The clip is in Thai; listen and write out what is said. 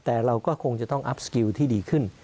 แต่เราก็คงจะต้องอัพสกิลที่ดีขึ้น